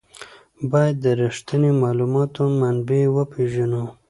باید د رښتیني معلوماتو منبع وپېژنو.